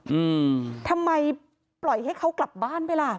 อืมทำไมปล่อยให้เขากลับบ้านไปล่ะ